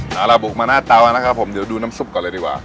เอาล่ะบุกมาหน้าเตานะครับผมเดี๋ยวดูน้ำซุปก่อนเลยดีกว่า